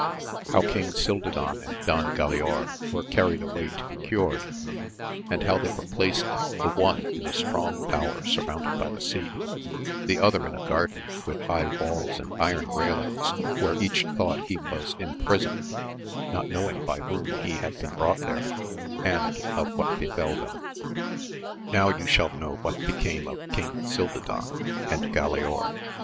— How King Cildadan andDon Gklaor were carried away to bd cured, and how they were placed the one in a strong tower surrounded by the sea, the other in a garden with high walls and iron railings, where each thought he was in prison, not knowing by whom he had been brought there, and of what befell them. [OW you shall know what became of King Cildadan and Galaor.